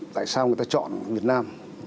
tại sao người ta chọn việt nam